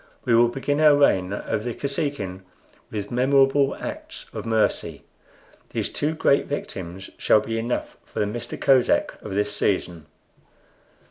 We will begin our reign over the Kosekin with memorable acts of mercy. These two great victims shall be enough for the Mista Kosek of this season.